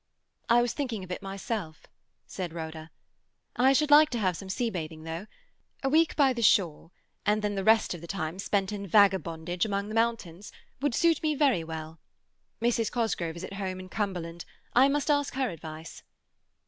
"I was thinking of it myself," said Rhoda. "I should like to have some sea bathing, though. A week by the shore, and then the rest of the time spent in vagabondage among the mountains, would suit me very well. Mrs. Cosgrove is at home in Cumberland; I must ask her advice."